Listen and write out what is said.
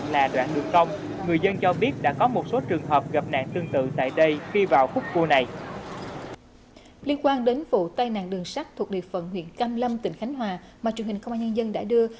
liên quan đến vụ tai nạn đường sắt thuộc địa phận huyện cam lâm tỉnh khánh hòa mà truyền hình công an nhân dân đã đưa